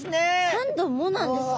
「３℃も」なんですか？